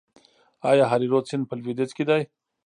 آیا هریرود سیند په لویدیځ کې دی؟